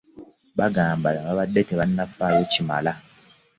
Bagamba babadde tebannafaayo kimala.